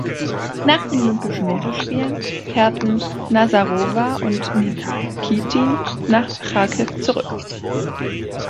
Nach den Olympischen Winterspielen kehrten Nasarowa und Nikitin nach Charkiw zurück.